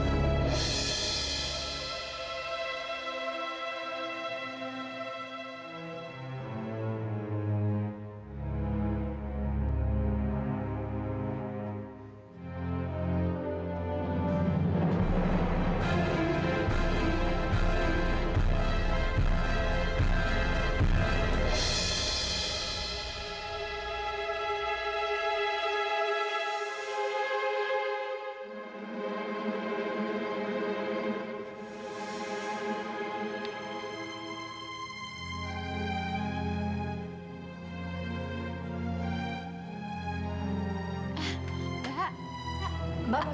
haris kau rapi